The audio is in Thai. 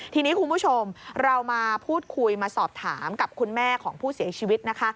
ทีนี้คุณผู้ชมเรามาพูดคุยมาสอบถามกับคุณแม่ของผู้เสียชีวิตนะคะ